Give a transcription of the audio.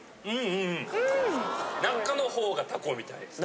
うんうん中のほうがタコみたいですね。